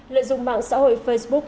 lợi dụng mạng xã hội facebook